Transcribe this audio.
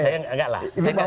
saya enggak biasa